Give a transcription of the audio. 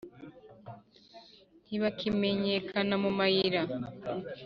ntibakimenyekana mu mayira;